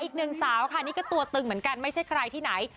อีกหนึ่งสาวค่ะนี่ก็ตัวตึงเหมือนกันไม่ใช่ใครที่ไหน